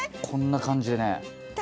こんな感じでね